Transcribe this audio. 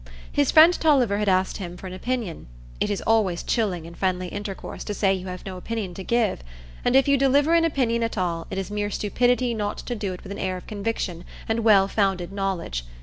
His friend Tulliver had asked him for an opinion; it is always chilling, in friendly intercourse, to say you have no opinion to give. And if you deliver an opinion at all, it is mere stupidity not to do it with an air of conviction and well founded knowledge.